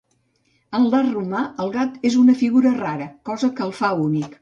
En l'art romà el gat és una figura rara, cosa que el fa únic.